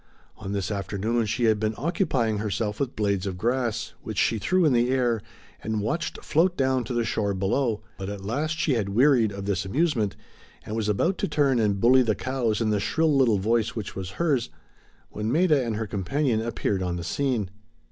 On this afternoon she had been occupying herself with blades of grass, which she threw in the air and watched float down to the shore below, but at last she had wearied of this amusement and was about to turn and bully the cows in the shrill little voice which was hers, when Maida and her companion appeared on the scene.